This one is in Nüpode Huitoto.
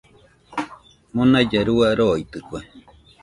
Monailla rua roitɨkue